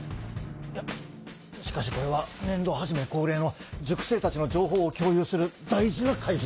いやしかしこれは年度始め恒例の塾生たちの情報を共有する大事な会議です。